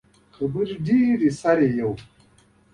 خبرې ډیرې، سر یی یو